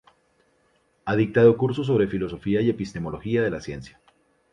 Ha dictado cursos sobre filosofía y epistemología de la ciencia.